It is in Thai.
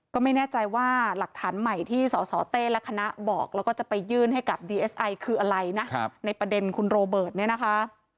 ก็ไม่แน่ใจว่าหลักฐานใหม่ที่สสเต้และคณะบอกแล้วก็จะไปยื่นให้กับดีเอสไอคืออะไรนะในประเด็นคุณโรเบิร์ตเนี่ยนะคะ